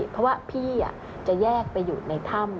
เพราะว่าพี่จะแยกไปอยู่ในถ้ำ